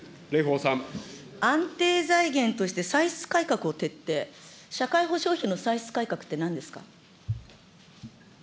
安定財源として歳出改革を徹底、社会保障費の歳出改革ってなんですか。